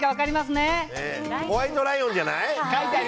ホワイトライオンじゃない？